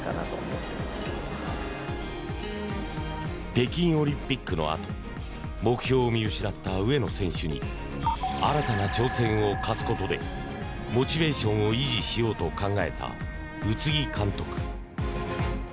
北京オリンピックのあと目標を見失った上野選手に新たな挑戦を課すことでモチベーションを維持しようと考えた宇津木監督。